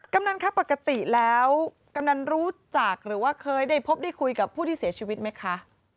กำนันคะปกติแล้วกำนันรู้จักหรือว่าเคยได้พบได้คุยกับผู้ที่เสียชีวิตไหมคะ